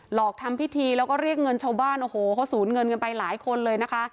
อกทำพิธีแล้วก็เรียกเงินชาวบ้านโอ้โหเขาสูญเงินกันไปหลายคนเลยนะคะ